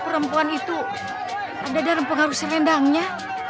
perempuan itu ada dalam pengaruh selendangnya